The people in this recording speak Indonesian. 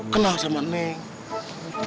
kena sama neng